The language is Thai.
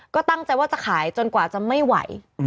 ก็ตั้งใจว่าจะขายจนกว่าจะไม่ไหว